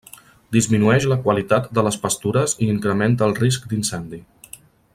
Disminueix la qualitat de les pastures i incrementa el risc d'incendi.